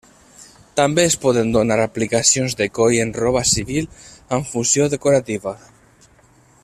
També es poden donar aplicacions de coll en roba civil, amb funció decorativa.